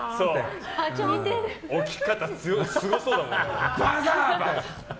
起き方すごそうだもん。